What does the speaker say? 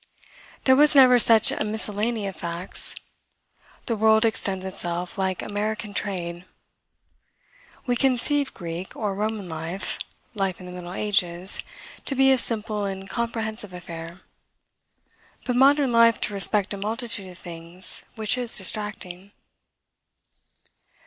There was never such a miscellany of facts. The world extends itself like American trade. We conceive Greek or Roman life, life in the middle ages to be a simple and comprehensive affair; but modern life to respect a multitude of things, which is distracting.